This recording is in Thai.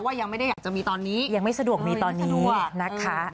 ยังไม่ได้อยากจะมีตอนนี้ยังไม่สะดวกมีตอนนี้นะคะ